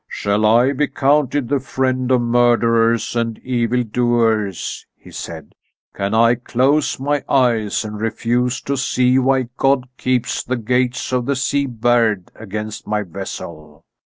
"Shall I be counted the friend of murderers and evildoers?" he said. "Can I close my eyes and refuse to see why God keeps the gates of the sea barred against my vessel?